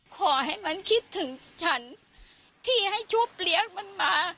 ขอให้มันคิดถึงฉันที่ให้ชุบเลี้ยงมันมา